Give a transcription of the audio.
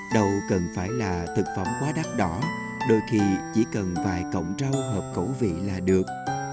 đâu cần phải là thực phẩm quá đắt đỏ đôi khi chỉ cần vài cộng rau hợp cầu vị là được